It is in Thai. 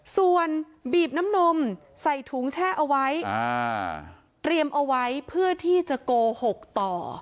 ส่วนบีบน้ำนมใส่ถุงแช่เอาไว้เตรียมเอาไว้เพื่อที่จะโกหกต่อ